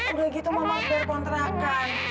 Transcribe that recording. udah gitu mama harus bayar kontrakan